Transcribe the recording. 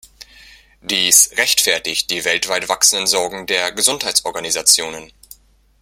Dies rechtfertigt die weltweit wachsenden Sorgen der Gesundheitsorganisationen.